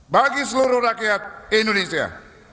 bagi seluruh rakyat indonesia